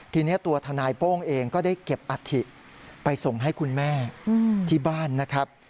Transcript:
ทีนี้ตัวทนายโป้งเองก็ได้เก็บอัฐิไปส่งให้คุณแม่ที่บ้านนะครับ